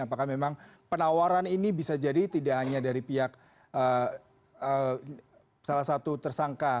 apakah memang penawaran ini bisa jadi tidak hanya dari pihak salah satu tersangka